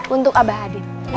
untuk abah hadid